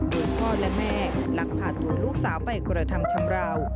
โดยพ่อและแม่ลักพาตัวลูกสาวไปกระทำชำราว